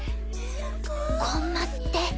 コンマスって？